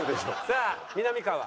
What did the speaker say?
さあみなみかわ。